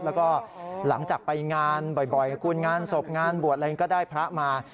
แล้วก็หลังจากไปงานบ่อยคุณงานศพงานบวชอะไรก็ได้พระมา